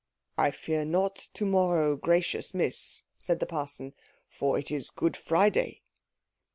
"I fear not to morrow, gracious Miss," said the parson, "for it is Good Friday."